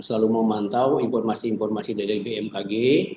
selalu memantau informasi informasi dari bmkg